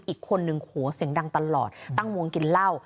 อีกคนนึงโหเสียงดังตลอดตั้งวงกินเหล้า